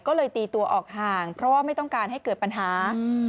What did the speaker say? ก็เลยตีตัวออกห่างเพราะว่าไม่ต้องการให้เกิดปัญหา